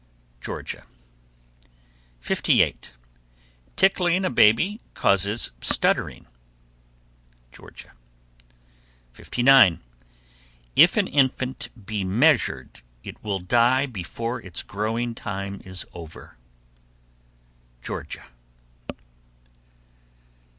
Georgia. 58. Tickling a baby causes stuttering. Georgia. 59. If an infant be measured, it will die before its growing time is over. _Georgia.